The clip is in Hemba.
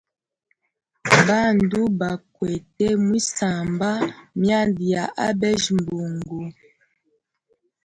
Bandu bakwete mwisamba mwyanda ya abeja mbungu.